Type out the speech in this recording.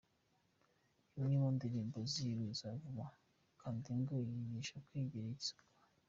Imwe mu ndirimbo ziwe za vuba, Kadingo, yigisha kwigirira isuku.